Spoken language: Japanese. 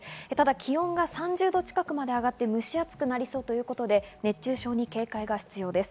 気温が３０度近くまで上がって蒸し暑くなりそうということで熱中症に警戒が必要です。